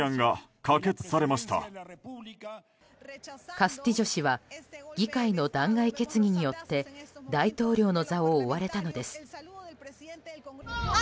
カスティジョ氏は議会の弾劾決議によって大統領の座を追われたのです。